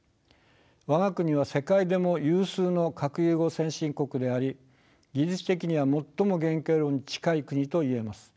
我が国は世界でも有数の核融合先進国であり技術的には最も原型炉に近い国といえます。